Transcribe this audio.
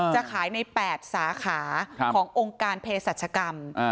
จะขายใน๘สาขาขององค์การเพศรัชกรรม